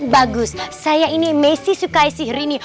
bagus saya ini messi sukaisi rini